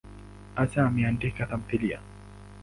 Hasa ameandika tamthiliya.